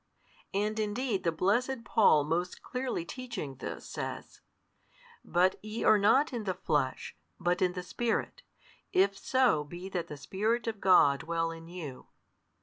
And indeed the blessed Paul most clearly teaching this, says, But ye are not in the flesh, but in the Spirit, If so be that the Spirit of God dwell in you.